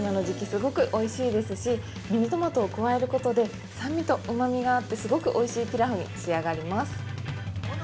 すごくおいしいですしミニトマトを加えることで酸味とうまみがあってすごくおいしいピラフに仕上がります。